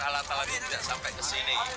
alat alat ini tidak sampai ke sini